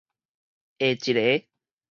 下一个